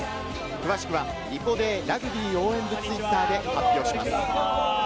詳しくはリポＤラグビー応援部Ｔｗｉｔｔｅｒで発表します。